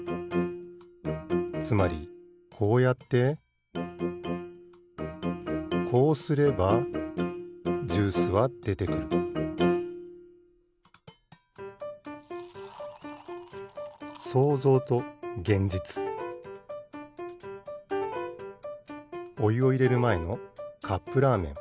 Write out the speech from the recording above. つまりこうやってこうすればジュースはでてくるおゆをいれるまえのカップラーメン。